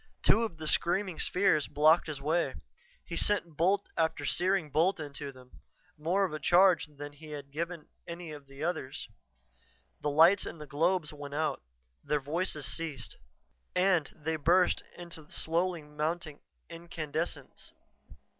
Two of the screaming spheres blocked his way; he sent bolt after searing bolt into them, more of a charge than he had given any of the others. The lights in the globes went out; their voices ceased. And they burst into slowly mounting incandescence.